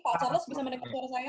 pak charles bisa mendengar suara saya